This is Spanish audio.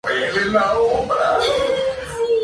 Kohei Yamada